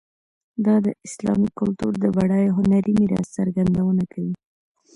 دا د اسلامي کلتور د بډایه هنري میراث څرګندونه کوي.